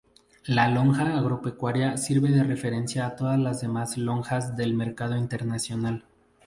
La lonja agropecuaria sirve de referencia a todas las demás lonjas del mercado nacional.